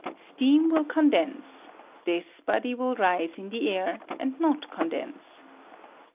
Steam will condense ; tbia body will rise in the air, and not condense.